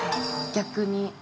逆に。